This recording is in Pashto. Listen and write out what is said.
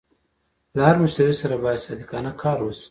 له هر مشتري سره باید صادقانه کار وشي.